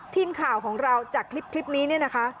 ทีมข่าวของเราจากคลิปนี้เนี่ยนะคะ